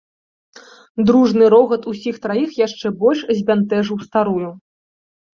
Дружны рогат усіх траіх яшчэ больш збянтэжыў старую.